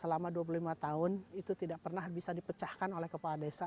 karena memang ada jalan yang selama dua puluh lima tahun itu tidak pernah bisa dipecahkan oleh kepala desa